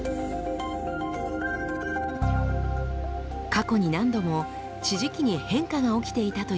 過去に何度も地磁気に変化が起きていたといいます。